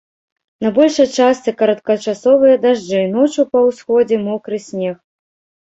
На большай частцы кароткачасовыя дажджы, ноччу па ўсходзе мокры снег.